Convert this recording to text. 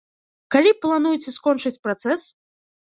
Калі плануеце скончыць працэс?